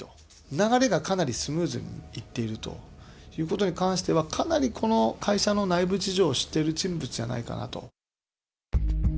流れがかなりスムーズにいっているということに関しては、かなりこの会社の内部事情を知っている人物じゃないかなと。